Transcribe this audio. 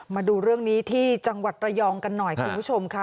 มาดูเรื่องนี้ที่จังหวัดระยองกันหน่อยคุณผู้ชมค่ะ